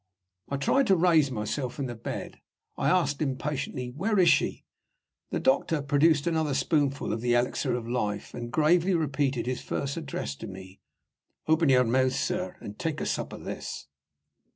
I tried to raise myself in the bed; I asked, impatiently, "Where is she?" The doctor produced another spoonful of the elixir of life, and gravely repeated his first address to me. "Open your mouth, sir, and take a sup of this."